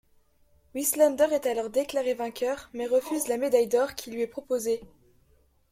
Wieslander est alors déclaré vainqueur mais refuse la médaille d'or qui lui est proposée.